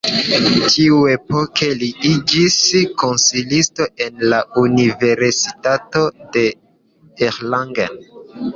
Tiuepoke li iĝis konsilisto en la Universitato de Erlangen.